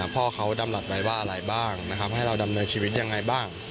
พ่อเขาดำรัฐไว้ว่าอะไรบ้างนะครับให้เราดำเนินชีวิตยังไงบ้าง